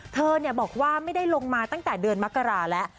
เธอบอกว่าไม่ได้ลงมาตั้งแต่เดือนมกราแล้ว